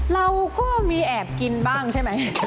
เราก็มีแอบกินบ้างใช่ไหม